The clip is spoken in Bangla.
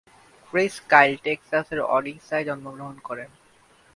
ক্রিস কাইল টেক্সাসের ওডিসায় জন্মগ্রহণ করেন।